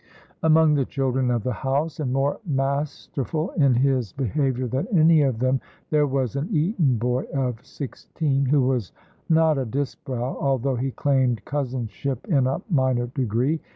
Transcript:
Among the children of the house, and more masterful in his behaviour than any of them, there was an Eton boy of sixteen, who was not a Disbrowe, although he claimed cousinship in a minor degree.